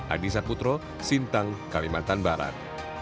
adisa putro sintang kalimantan barat